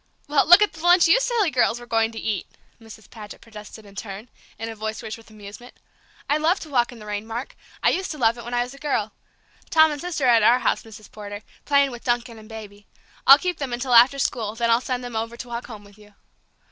"Well, look at the lunch you silly girls were going to eat!" Mrs. Paget protested in turn, in a voice rich with amusement. "I love to walk in the rain, Mark; I used to love it when I was a girl. Tom and Sister are at our house, Mrs. Potter, playing with Duncan and Baby. I'll keep them until after school, then I'll send them over to walk home with you."